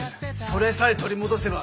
それさえ取り戻せば。